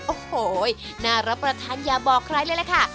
โอ้โหน่ารับประทานอย่าบอกใครเลยล่ะค่ะ